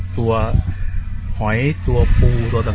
สวัสดีครับคุณผู้ชาย